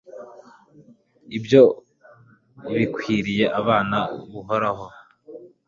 ibyo ibikwiriye abana b'uhoraho